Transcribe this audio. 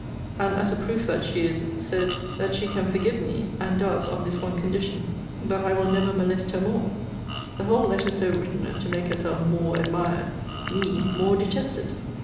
] and, as a proof that she is, says, that she can forgive me, and does, on this one condition, that I will never molest her more the whole letter so written as to make herself more admired, me more detested.